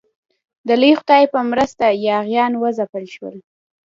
د لوی خدای په مرسته یاغیان وځپل شول.